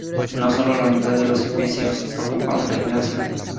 No solo la unidad de los efesios preocupaba a Ignacio.